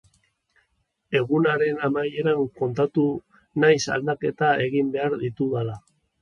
Egunaren amaieran konturatu naiz aldaketak egin behar ditudala.